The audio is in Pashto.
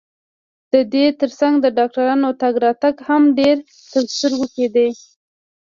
د دې ترڅنګ د ډاکټرانو تګ راتګ هم ډېر ترسترګو کېده.